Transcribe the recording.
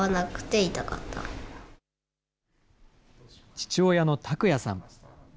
父親の琢哉さん。